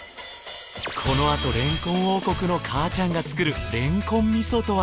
このあとれんこん王国のかあちゃんが作るれんこん味噌とは？